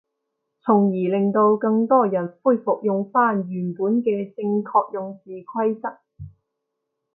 從而令到更多人恢復用返原本嘅正確用字規則